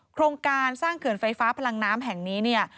โครงการสร้างเขื่อนไฟฟ้าพลังน้ำแห่งนี้เนี่ย